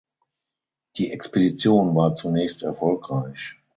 Die Expedition war zunächst erfolgreich.